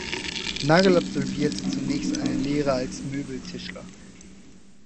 Nagel absolvierte zunächst eine Lehre als Möbeltischler.